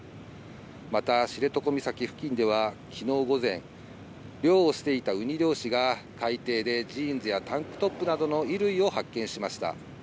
また知床岬付近では昨日午前、漁をしていたウニ漁師が海底でジーンズやタンクトップなどの衣類を発見しました。